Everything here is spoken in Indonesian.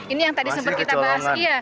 ini yang tadi sempat kita bahas